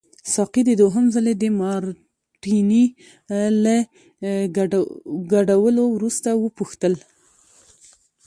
ساقي د دوهم ځلي د مارټیني له ګډولو وروسته وپوښتل.